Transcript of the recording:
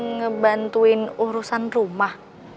ngebantuin urusan rumah